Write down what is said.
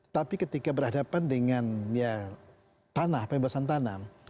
tapi ketika berhadapan dengan ya tanah pembebasan tanam